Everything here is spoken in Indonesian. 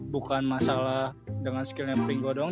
bukan masalah dengan skillnya pringgo doang